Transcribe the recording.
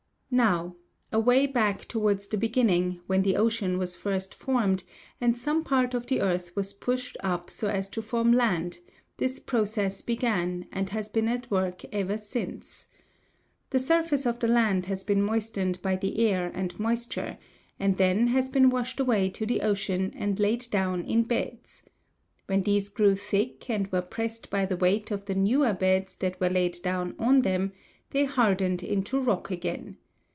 Now, away back towards the beginning, when the ocean was first formed, and some part of the earth was pushed up so as to form land, this process began, and has been at work ever since. The surface of the land has been moistened by the air and moisture, and then has been washed away to the ocean and laid down in beds. When these grew thick, and were pressed by the weight of the newer beds that were laid down on them, they hardened into rock again.